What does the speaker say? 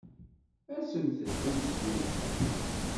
Asemt-d ad nesgunfu.